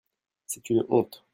c'est une honte.